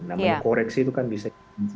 namanya koreksi itu kan bisa